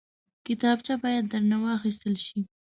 کتابچه باید درنه واخیستل شي